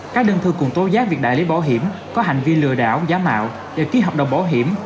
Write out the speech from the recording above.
các đơn thư cùng tố giác việc đại lý bảo hiểm có hành vi lừa đảo giả mạo để ký hợp đồng bảo hiểm